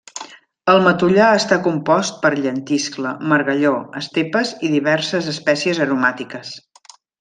El matollar està compost per llentiscle, margalló, estepes i diverses espècies aromàtiques.